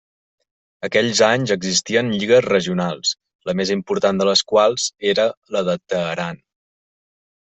Aquells anys existien lligues regionals, la més important de les quals era la de Teheran.